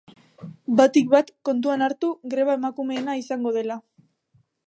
Batik bat, kontuan hartu greba emakumeena izango dela.